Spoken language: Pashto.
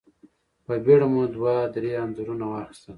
په بېړه مو دوه درې انځورونه واخيستل.